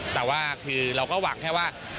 แต่ว่าคือเราก็หวังแค่ว่า